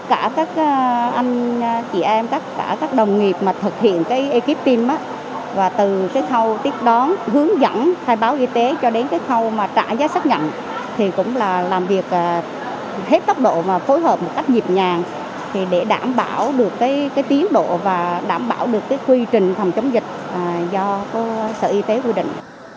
chị em các đồng nghiệp thực hiện cái ekip tim và từ cái khâu tiếp đón hướng dẫn thay báo y tế cho đến cái khâu trả giá xác nhận thì cũng là làm việc hết tốc độ và phối hợp một cách dịp nhàng để đảm bảo được cái tiến độ và đảm bảo được cái quy trình phòng chống dịch do sở y tế quy định